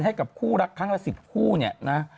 ให้กับคู่รักครั้งละ๑๐คู่เนี่ยนะ